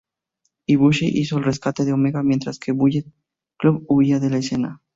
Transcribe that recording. Ibushi hizo el rescate de Omega mientras que Bullet Club huía de la escena.